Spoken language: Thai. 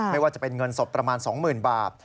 ไม่ว่าจะเป็นเงินสดประมาณ๒๐๐๐บาท